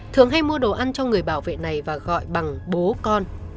thường hay mua đồ ăn cho người bảo vệ này và gọi bằng bố con